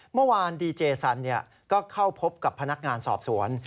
เมื่อวานดีเจสันก็เข้าพบกับพนักงานสอบสวน